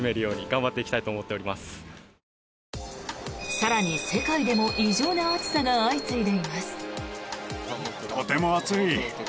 更に、世界でも異常な暑さが相次いでいます。